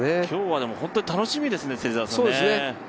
今日は本当に楽しみですね。